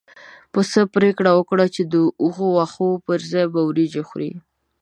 پسه پرېکړه وکړه چې د واښو پر ځای به وريجې خوري.